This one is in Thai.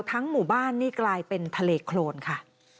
หมู่บ้านนี่กลายเป็นทะเลโครนค่ะ